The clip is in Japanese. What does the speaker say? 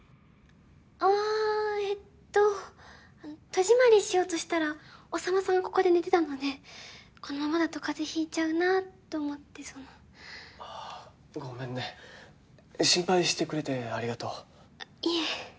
ああえっと戸締まりしようとしたら宰さんがここで寝てたのでこのままだと風邪ひいちゃうなと思ってそのああごめんね心配してくれてありがとういえ